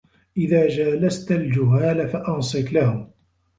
إذَا جَالَسْت الْجُهَّالَ فَأَنْصِتْ لَهُمْ